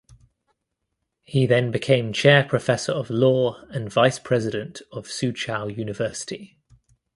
He then became chair professor of law and vice president of Soochow University.